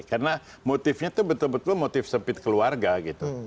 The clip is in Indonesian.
karena motifnya tuh betul betul motif sempit keluarga gitu